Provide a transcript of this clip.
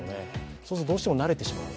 そうするとどうしても慣れてしまう。